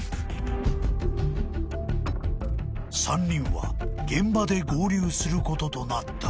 ［３人は現場で合流することとなった］